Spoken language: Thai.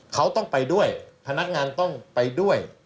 เขาต้องไปด้วยพนักงานต้องไปด้วย